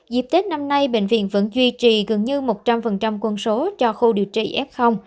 dịp tết năm nay bệnh viện vẫn duy trì gần như một trăm linh quân số cho khu điều trị f